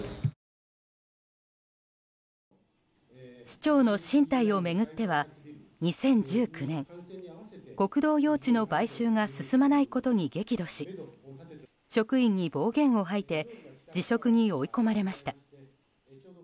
市長の進退を巡っては２０１９年国道用地の買収が進まないことに激怒し職員に暴言を吐いて辞職に追い込まれました。